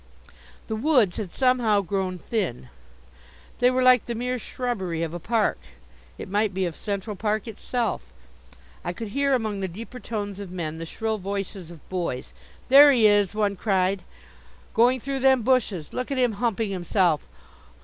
The woods had somehow grown thin. They were like the mere shrubbery of a park it might be of Central Park itself. I could hear among the deeper tones of men the shrill voices of boys. "There he is," one cried, "going through them bushes! Look at him humping himself!"